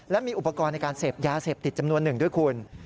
และมีอุปกรณ์ในการเสพยาเสพติดจำนวนหนึ่งด้วยคุณ